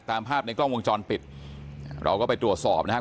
ตามภาพในกล้องวงจรปิดเราก็ไปตรวจสอบนะครับ